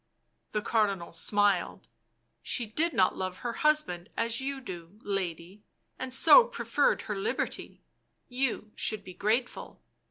The Cardinal smiled. " She did not love her husband as you do, lady, and so preferred her liberty ; you should be grateful.